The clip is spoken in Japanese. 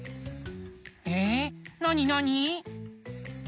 えっなになに？